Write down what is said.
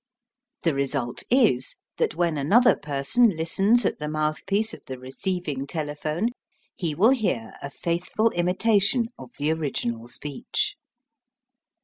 The result is, that when another person listens at the mouthpiece of the receiving telephone, he will hear a faithful imitation of the original speech.